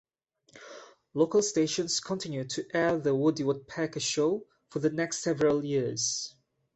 Local stations continued to air "The Woody Woodpecker Show" for the next several years.